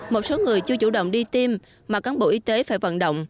một số người chưa chủ động đi tiêm mà cán bộ y tế phải vận động